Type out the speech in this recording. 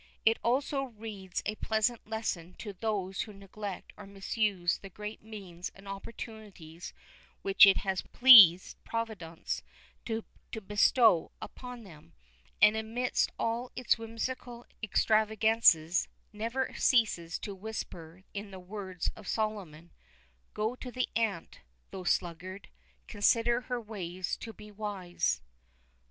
It also reads a pleasant lesson to those who neglect or misuse the great means and opportunities which it has pleased Providence to bestow upon them, and amidst all its whimsical extravagances, never ceases to whisper in the words of Solomon Go to the ant, thou sluggard; consider her ways and be wise.